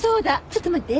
ちょっと待って。